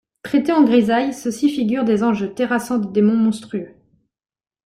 Traités en grisaille, ceux-ci figurent des anges terrassant des démons monstrueux.